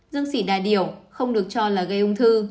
dương sỉ đa điểu không được cho là gây ung thư